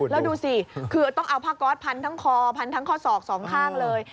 แล้วดูสิคือต้องเอาผ้าก๊อตพันทั้งคอพันทั้งข้อศอกสองข้างเลย